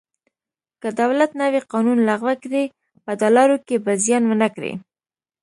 که دولت نوی قانون لغوه کړي په ډالرو کې به زیان ونه کړي.